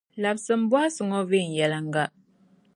Labisimi bɔhisi ŋɔ viɛnyɛliŋa.